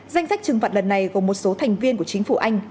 danh sách trừng phạt lần này gồm một số thành viên của chính phủ anh